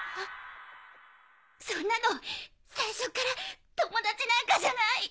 そんなの最初から友達なんかじゃない！